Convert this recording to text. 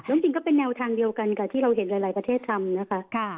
จริงก็เป็นแนวทางเดียวกันกับที่เราเห็นหลายประเทศทำนะคะ